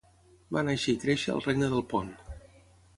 Va néixer i créixer al Regne del Pont.